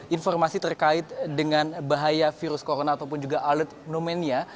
informasi terkait dengan bahaya virus corona ataupun juga alet pneumonia